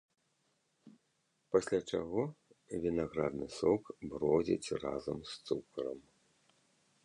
Пасля чаго вінаградны сок бродзіць разам з цукрам.